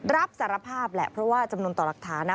รับสารภาพแหละเพราะว่าจำนวนต่อหลักฐานนะ